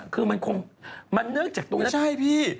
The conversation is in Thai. คือมันคงมาเนื้อจากตรงนั้นไม่ใช่พี่